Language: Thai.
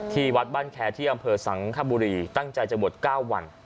ที่วัดบ้านแคร์ที่อำเภอสังคบุรีตั้งใจจะบวช๙วัน